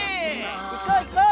いこういこう！